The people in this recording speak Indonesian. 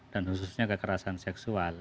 dan khususnya kekerasan seksual